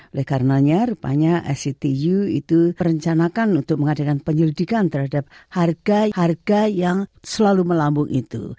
oleh karenanya rupanya sctu itu perencanakan untuk mengadakan penyelidikan terhadap harga harga yang selalu melambung itu